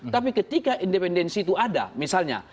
tapi ketika independensi itu ada misalnya